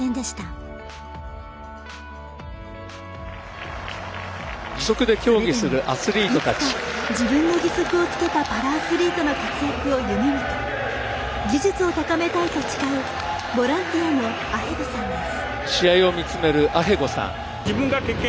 それでも、いつか自分の義足をつけたパラアスリートの活躍を夢見て技術を高めたいと誓うボランティアのアヘゴさんです。